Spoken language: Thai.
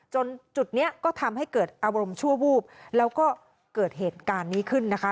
จุดนี้ก็ทำให้เกิดอารมณ์ชั่ววูบแล้วก็เกิดเหตุการณ์นี้ขึ้นนะคะ